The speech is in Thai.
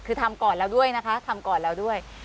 คือทำก่อนแล้วด้วยนะคะทำก่อนเราด้วย